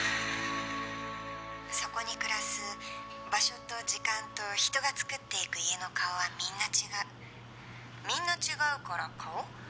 そこに暮らす場所と時間と人がつくっていく家の顔はみんな違うみんな違うから顔？